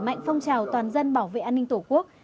mạnh phong trào toàn dân bảo vệ an ninh tổ quốc